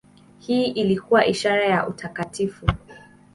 Hii ilikuwa ishara ya utakatifu.